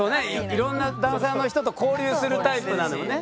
いろんなダンサーの人と交流するタイプなんだもんね。